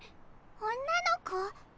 女の子？